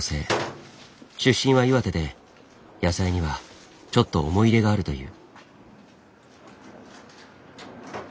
出身は岩手で野菜にはちょっと思い入れがあるという。